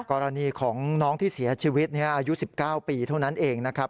กรณีของน้องที่เสียชีวิตอายุ๑๙ปีเท่านั้นเองนะครับ